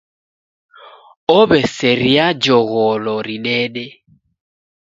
Ow'eseria jogholo ridede.